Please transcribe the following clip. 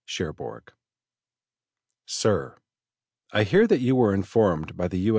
"Cherbourg "Sir: I hear that you were informed by the U.